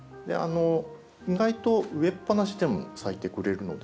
意外と植えっぱなしでも咲いてくれるので。